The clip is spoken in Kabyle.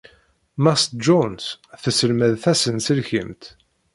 Mass Jones tesselmad tasenselkimt.